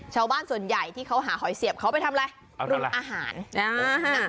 ชาวบ้านส่วนใหญ่ที่เขาหาหอยเสียบเขาไปทำอะไรเอาทำอะไรรุมอาหารอ่า